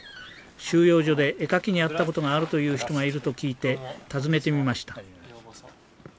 収容所で絵描きに会ったことがあるという人がいると聞いて訪ねてみました。